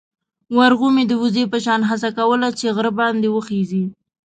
ورغومي د وزې په شان هڅه کوله چې غر باندې وخېژي.